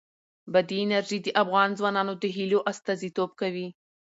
بادي انرژي د افغان ځوانانو د هیلو استازیتوب کوي.